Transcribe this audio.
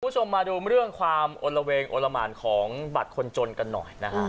คุณผู้ชมมาดูเรื่องความอลละเวงโอละหมานของบัตรคนจนกันหน่อยนะฮะ